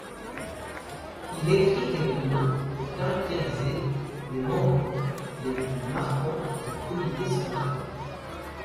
Il écrit quelques mots pour caractériser les membres les plus marquants du comité central.